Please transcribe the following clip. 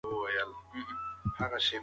د لږ عاید لرونکو خلکو ته پاملرنه اړینه ده.